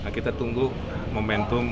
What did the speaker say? kita tunggu momentumnya